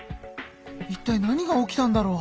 いったい何が起きたんだろう？